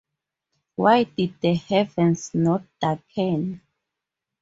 Why Did the Heavens Not Darken?